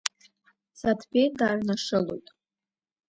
Саҭбеи дааҩнашылоит.